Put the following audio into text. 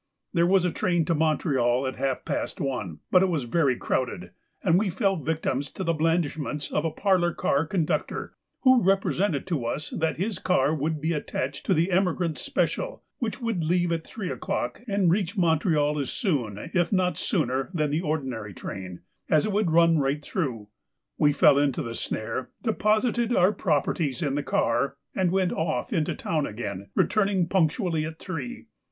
There was a train to Montreal at half past one, but it was very crowded, and we fell victims to the blandishments of a parlour car conductor, who represented to us that his car would be attached to the emigrant special which would leave at three o'clock and reach Montreal as soon, if not sooner, than the ordinary train, as it would run right through. We fell into the snare, deposited our properties in the car, and went off into the town again, returning punctually at three.